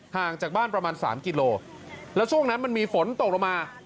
ห่างจากบ้านประมาณสามกิโลแล้วช่วงนั้นมันมีฝนตกลงมา